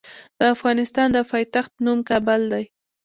د افغانستان د پايتخت نوم کابل دی.